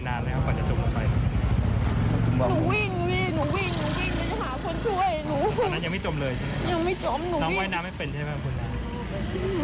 ตอนนั้นยังไม่จมเลยน้องว่าวิน้ำไม่เป็นใช่ไหมครับ